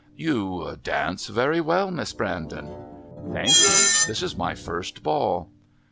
"You dance very well Miss Brandon." "Thank you. This is my first Ball."